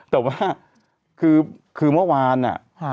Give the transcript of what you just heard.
แต่ว่าคือเมื่อวานอ่ะ